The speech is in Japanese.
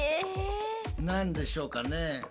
何でしょうかね？